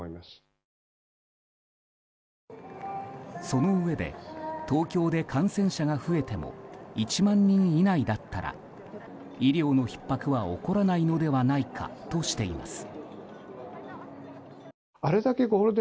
そのうえで東京で感染者が増えても１万人以内だったら医療のひっ迫は起こらないのではないかとしています。